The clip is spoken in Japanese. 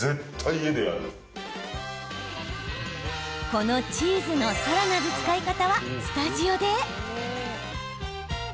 このチーズのさらなる使い方はスタジオで。